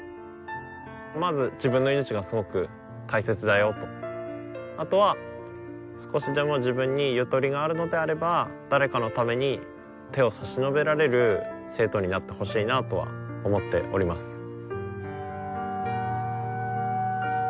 まず自分の命がすごく大切だよとあとは少しでも自分にゆとりがあるのであれば誰かのために手を差し伸べられる生徒になってほしいなとは思っております